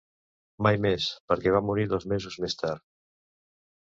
Mai més, perquè va morir dos mesos més tard.